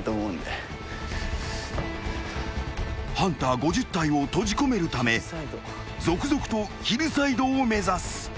［ハンター５０体を閉じ込めるため続々とヒルサイドを目指す］